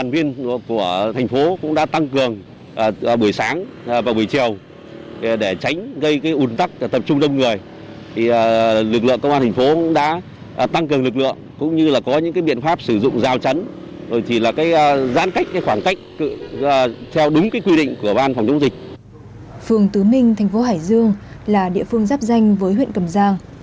phương tứ minh thành phố hải dương là địa phương giáp danh với huyện cầm giang